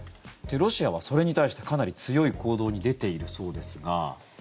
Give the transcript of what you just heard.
ロシアはそれに対してかなり強い行動に出ているそうですが。